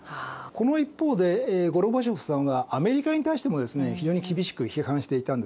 この一方でゴルバチョフさんはアメリカに対してもですね非常に厳しく批判していたんですね。